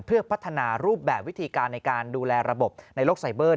เพื่อพัฒนารูปแบบวิธีการในการดูแลระบบในโลกไซเบอร์